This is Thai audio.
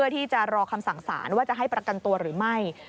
ที่จะรอคำสั่งสารว่าจะให้ประกันตัวหรือไม่